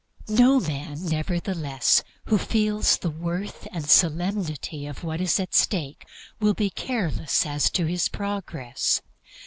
No man, nevertheless, who feels the worth and solemnity of what is at stake will be careless as to his progress.